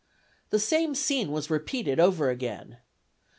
The same scene was repeated over again.